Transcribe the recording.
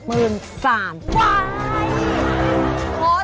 ว้าย